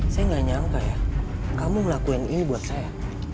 saya nggak nyangka ya kamu ngelakuin ini buat saya